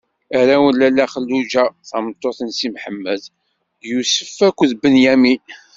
Arraw n Lalla Xelluǧa tameṭṭut n Si Mḥemmed: Yusef akked Binyamin.